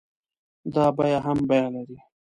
دا بيه هم بيه لري.